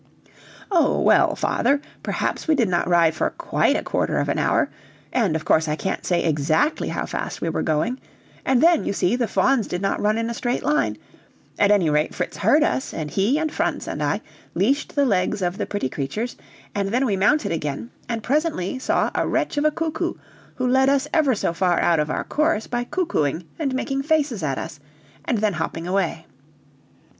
"Oh, well, father, perhaps we did not ride for quite a quarter of an hour, and, of course, I can't say exactly how fast we were going; and then, you see, the fawns did not run in a straight line; at any rate Fritz heard us, and he and Franz and I leashed the legs of the pretty creatures, and then we mounted again, and presently saw a wretch of a cuckoo, who led us ever so far out of our course by cuckooing and making faces at us, and then hopping away.